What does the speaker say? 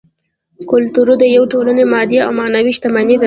کولتور د یوې ټولنې مادي او معنوي شتمني ده